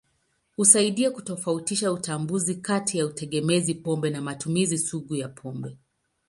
Husaidia kutofautisha utambuzi kati ya utegemezi pombe na matumizi sugu ya pombe.